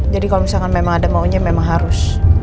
jadi kalau misalkan memang ada maunya memang harus